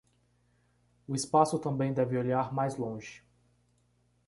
O espaço também deve olhar mais longe